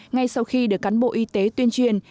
ngay sau khi được cán bộ y tế tuyên truyền